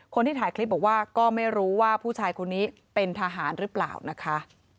คนที่ถ่ายคลิปบอกว่าก็ไม่รู้ว่าผู้ชายคนนี้เป็นทหารหรือเปล่านะคะ